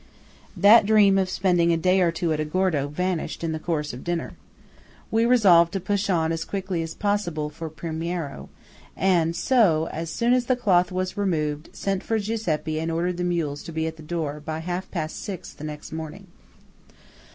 That dream of spending a day or two at Agordo vanished in the course of dinner. We resolved to push on as quickly as possible for Primiero; and so, as soon as the cloth was removed, sent for Giuseppe and ordered the mules to be at the door by half past six next morning.